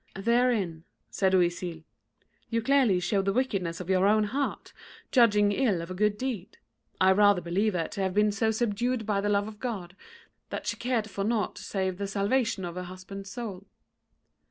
"Therein," said Oisille, "you clearly show the wickedness of your own heart, judging ill of a good deed. I rather believe her to have been so subdued by the love of God that she cared for naught save the salvation of her husband's soul."